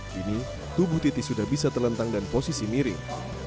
kini tubuh titi sudah bisa terlentang dan posisi miring